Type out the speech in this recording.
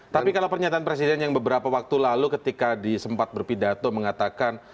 tapi kalau pernyataan presiden yang beberapa waktu lalu ketika disempat berpidato mengatakan